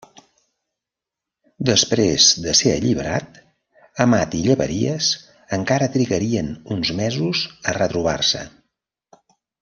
Després de ser alliberat, Amat i Llaveries encara trigarien uns mesos a retrobar-se.